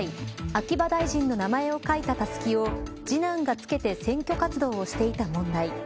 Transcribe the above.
秋葉大臣の名前を書いたたすきを次男がつけて選挙活動をしていた問題。